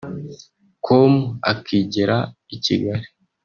com akigera I Kigali